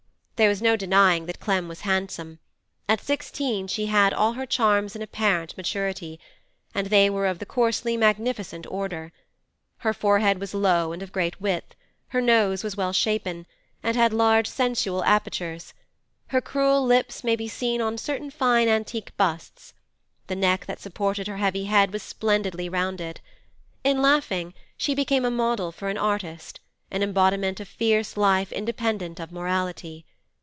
There was no denying that Clem was handsome; at sixteen she had all her charms in apparent maturity, and they were of the coarsely magnificent order. Her forehead was low and of great width; her nose was well shapen, and had large sensual apertures; her cruel lips may be seen on certain fine antique busts; the neck that supported her heavy head was splendidly rounded. In laughing, she became a model for an artist, an embodiment of fierce life independent of morality.